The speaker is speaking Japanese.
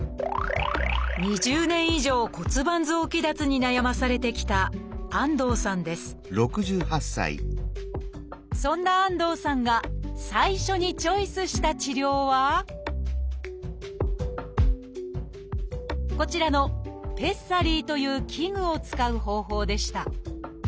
２０年以上骨盤臓器脱に悩まされてきたそんな安藤さんが最初にチョイスした治療はこちらの「ペッサリー」という器具を使う方法でした。